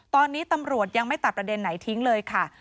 ตอนนี้ตำรวจยังไม่ตัดประเด็นไหนทิ้งเลยค่ะ